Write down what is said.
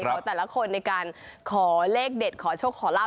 แต่ละคนในการขอเลขเด็ดขอโชคขอลาบ